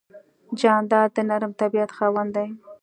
جانداد د نرم طبیعت خاوند دی.